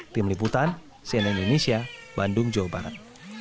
tim liputan cnn indonesia bandung jawa barat